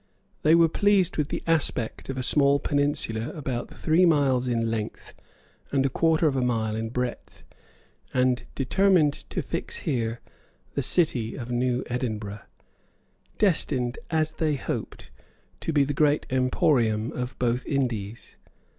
They were pleased with the aspect of a small peninsula about three miles in length and a quarter of a mile in breadth, and determined to fix here the city of New Edinburgh, destined, as they hoped, to be the great emporium of both Indies.